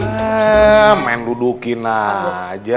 ya main dudukin aja